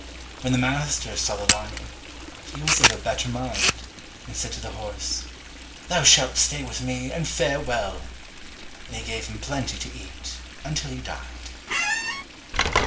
When the master saw the lion, he was of a better mind, and said to the horse, "Thou shalt stay with me and fare well," and he gave him plenty to eat until he died.